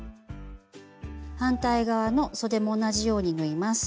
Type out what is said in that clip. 反対側のそでも同じように縫います。